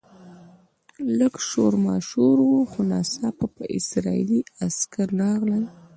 لږ شور ماشور و خو ناڅاپه اسرایلي عسکر راغلل.